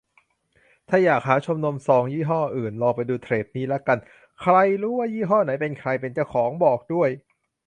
ถ้าอยากหาชมนมซองยี่ห้ออื่น ลองไปดูเทรดนี้ละกัน ใครรู้ว่ายี่ห้อไหนใครเป็นเจ้าของบอกด้วย